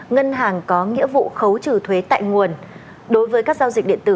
ngân hàng có nghĩa vụ khấu trừ thuế tại nguồn đối với các giao dịch điện tử